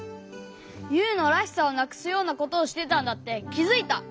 ユウの「らしさ」をなくすようなことをしてたんだってきづいた！